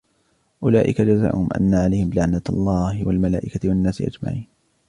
أُولَئِكَ جَزَاؤُهُمْ أَنَّ عَلَيْهِمْ لَعْنَةَ اللَّهِ وَالْمَلَائِكَةِ وَالنَّاسِ أَجْمَعِينَ